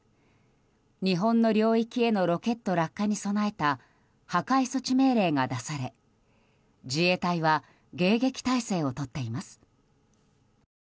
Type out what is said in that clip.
日本の領域へのロケット落下に備えた破壊措置命令が出され、自衛隊は迎撃態勢をとっています。